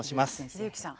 秀幸さん。